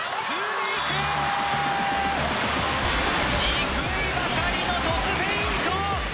にくいばかりのトスフェイント。